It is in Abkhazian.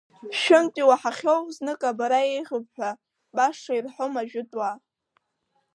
Шәымтә иуаҳахьоу знык абара еиӷьуп ҳәа, баша ирҳәом ажәытә уаа.